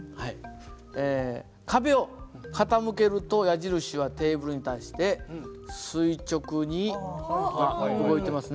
壁を傾けると矢印はテーブルに対して垂直に動いてますね。